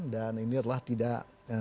dan ini adalah tidak